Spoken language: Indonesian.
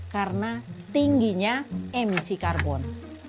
karena tingginya emisi karbon